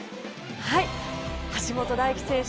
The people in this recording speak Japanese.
橋本大輝選手